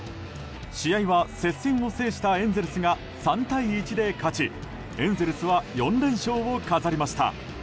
試合は接戦を制したエンゼルスが３対１で勝ちエンゼルスは４連勝を飾りました。